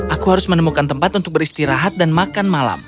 aku harus menemukan tempat untuk beristirahat dan makan malam